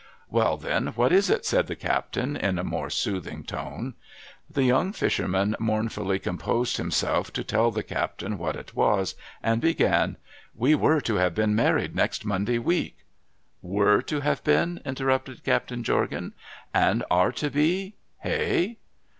' Wa'al, then, what is it ?' said the captain in a more soothing tone. The young fisherman mournfully composed himself to tell the captain what it was, and began :' \Ve were to have been married next Monday week— —•'' Were to have been !' interrupted Captain Jorgan. ' And are to be? Hey?'